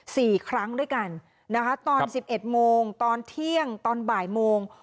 สี่ครั้งด้วยกันนะคะตอนสิบเอ็ดโมงตอนเที่ยงตอนบ่ายโมง